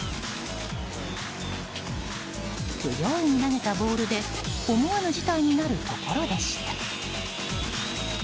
不用意に投げたボールで思わぬ事態になるところでした。